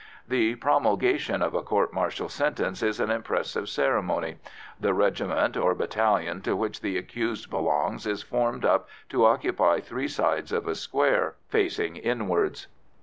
The promulgation of a court martial sentence is an impressive ceremony. The regiment or battalion to which the accused belongs is formed up to occupy three sides of a square, facing inwards.